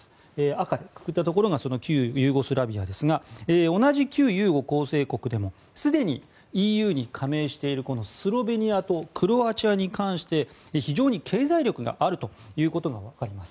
赤でくくったところが旧ユーゴスラビアですが同じ旧ユーゴ構成国でもすでにＥＵに加盟しているスロベニアとクロアチアに関して非常に経済力があるということがあります。